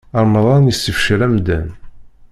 Remḍan yessefcal amdan.